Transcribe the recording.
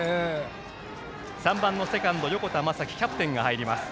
３番のセカンド横田優生キャプテンが入ります。